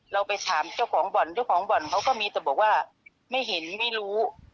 เราไปถามเจ้าของบ่อนเจ้าของบ่อนเขาก็มีแต่บอกว่าไม่เห็นไม่รู้